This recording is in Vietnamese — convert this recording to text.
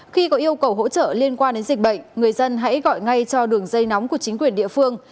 khi có yêu cầu hỗ trợ liên quan đến dịch bệnh người dân hãy gọi ngay cho đường dây nóng của chính quyền địa phương